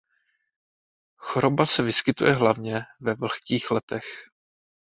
Choroba se vyskytuje hlavně ve vlhkých letech.